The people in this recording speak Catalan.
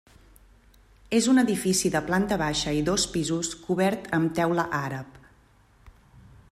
És un edifici de planta baixa i dos pisos cobert amb teula àrab.